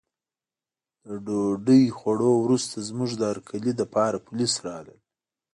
له ډوډۍ خوړو وروسته زموږ د هرکلي لپاره پولیس راغلل.